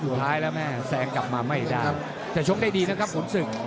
สุดท้ายแล้วแม่แซงกลับมาไม่ได้แต่ชกได้ดีนะครับขุนศึก